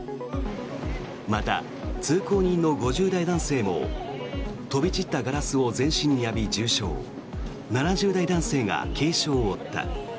また、通行人の５０代男性も飛び散ったガラスを全身に浴び重傷７０代男性が軽傷を負った。